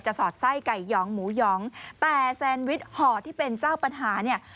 สอดไส้ไก่หยองหมูหยองแต่แซนวิชห่อที่เป็นเจ้าปัญหาเนี่ย